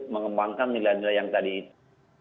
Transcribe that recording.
mengembangkan nilai nilai yang tadi itu